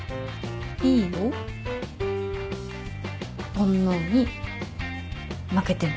煩悩に負けても。